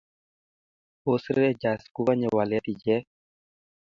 post rangers kokanye walet ichek